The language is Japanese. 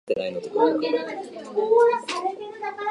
新宿三丁目駅